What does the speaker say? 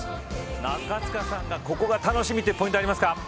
中務さん、ここが楽しみというポイントありますか。